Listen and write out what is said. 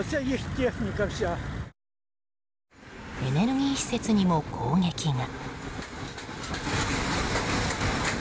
エネルギー施設にも攻撃が。